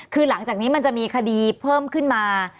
คือหลังจากนี้มันจะมีคดีเพิ่มขึ้นมา